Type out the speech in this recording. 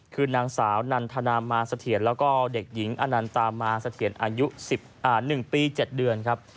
คือนางสาวนันทนามาเสถียรแล้วก็เด็กหญิงอนันตามาเสถียรอายุ๑ปี๗เดือนครับ